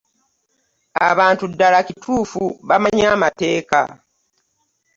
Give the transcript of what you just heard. Abantu ddala kituufu bamanyi amateeka.